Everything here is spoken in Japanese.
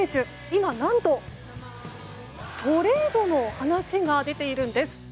今、何とトレードの話が出ているんです。